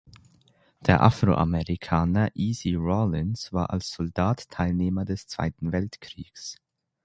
Der Afroamerikaner Easy Rawlins war als Soldat Teilnehmer des Zweiten Weltkriegs.